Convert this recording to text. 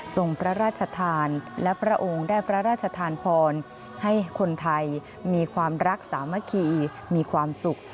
ส่งพระราชทานและพระองค์ได้พระราชทานพรให้คนไทยมีความรักสามัคคีมีความสุข